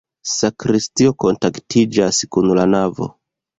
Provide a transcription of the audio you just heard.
Sakristio kontaktiĝas kun la navo.